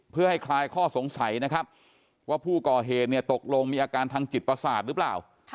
เพื่อให้คลายข้อสงสัยนะครับว่าผู้ก่อเหตุเนี่ยตกลงมีอาการทางจิตประสาทหรือเปล่า